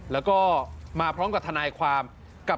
และมาพร้องกับ